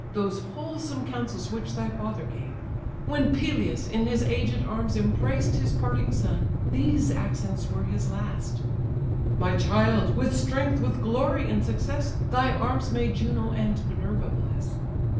Those wholesome counsels which thy father gave. When Peleus in his aged arms embraced His parting son, these accents were his last: "'My child! with strength, with glory, and success, Thy arms may Juno and Minerva bless!